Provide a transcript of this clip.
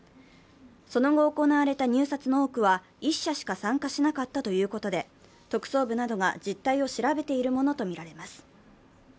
その後行われた入札の多くは１社しか参加しなかったということで、特捜部などが実態を調べているものとみられます。